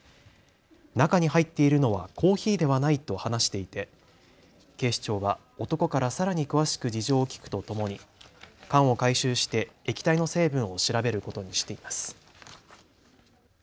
中に入っているのはコーヒーではないと話していて警視庁は男からさらに詳しく事情を聴くとともに缶を回収して液体の成分を調べることにしています。